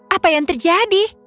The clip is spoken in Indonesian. apa yang terjadi